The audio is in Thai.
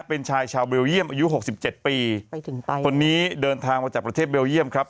เป็นชายชาวเบลเยี่ยมอายุ๖๗ปีตอนนี้เดินทางมาจากประเทศเบลเยี่ยมครับ